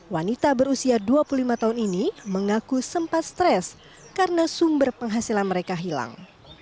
wanita berusia dua puluh lima tahun ini mengaku sempat stres karena sumber penghasilan mereka hilang